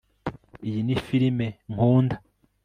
Iyi ni firime nkunda